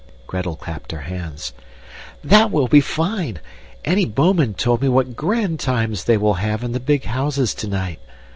Gretel clapped her hands. "That will be fine! Annie Bouman told me what grand times they will have in the big houses tonight.